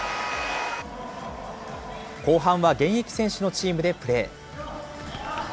後半は現役選手のチームでプレー。